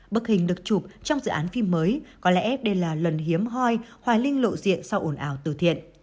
bức hình được chụp trong dự án phim mới có lẽ ép đây là lần hiếm hoi hoài linh lộ diện sau ổn ảo từ thiện